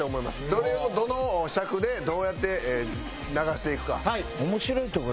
どれをどの尺でどうやって流していくか。